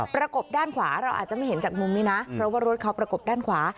กบด้านขวาเราอาจจะไม่เห็นจากมุมนี้นะเพราะว่ารถเขาประกบด้านขวา